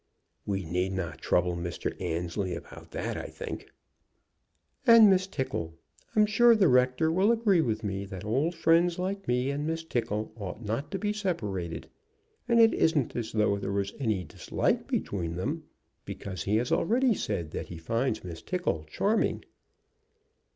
"We need not trouble Mr. Annesley about that, I think." "And Miss Tickle! I'm sure the rector will agree with me that old friends like me and Miss Tickle ought not to be separated. And it isn't as though there was any dislike between them, because he has already said that he finds Miss Tickle charming."